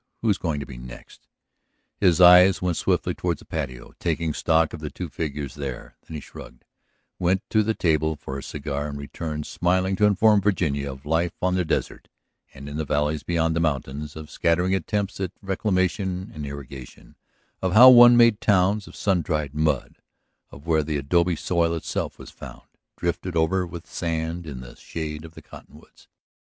Who's going to be next?" His eyes went swiftly toward the patio, taking stock of the two figures there. Then he shrugged, went to the table for a cigar and returned smiling to inform Virginia of life on the desert and in the valleys beyond the mountains, of scattering attempts at reclamation and irrigation, of how one made towns of sun dried mud, of where the adobe soil itself was found, drifted over with sand in the shade of the cottonwoods.